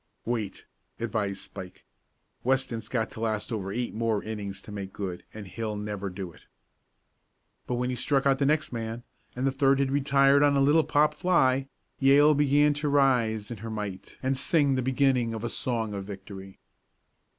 "Wait," advised Spike. "Weston's got to last over eight more innings to make good, and he'll never do it." But when he struck out the next man, and the third had retired on a little pop fly, Yale began to rise in her might and sing the beginning of a song of victory.